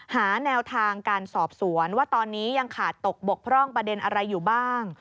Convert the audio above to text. หาแนวทางการสอบสวนว่าตอนนี้ยังขาดตกบกพร่องประเด็นอะไรอยู่บ้าง